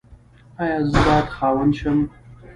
ایا زه باید خاوند شم؟